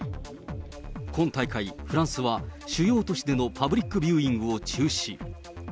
今大会、フランスは主要都市でのパブリックビューイングを中止。